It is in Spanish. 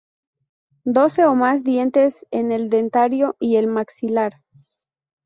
Doce o más dientes en el dentario y el maxilar.